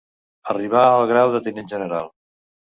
Arribà al grau de tinent general.